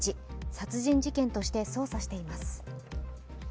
殺人事件として捜査しています。